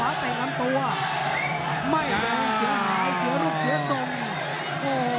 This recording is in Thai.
ไม่ได้เสียรูปเสียทรง